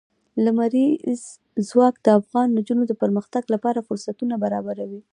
لمریز ځواک د افغان نجونو د پرمختګ لپاره فرصتونه برابروي.